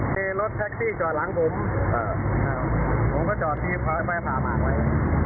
มีรถแท็กซี่จอดหลังผมผมก็จอดที่ไม่ผ่าหมากไว้